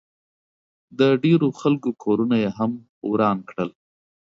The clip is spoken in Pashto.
د ډېرو خلکو کورونه ئې هم وران کړل